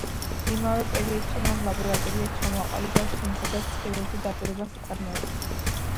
იმავე პერიოდში მან ლაბორატორია ჩამოაყალიბა შინ, სადაც სხივებზე დაკვირვებას აწარმოებდა.